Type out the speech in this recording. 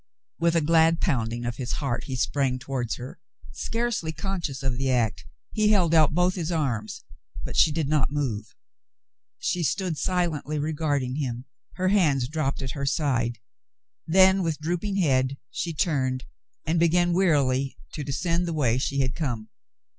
With a glad pounding of his heart he sprang towards her. Scarcely conscious of the act he held out both his arms, but she did not move. She stood silently regarding him, her hands dropped at her side, then with drooping head she turned and began wearily to descend the way she had come.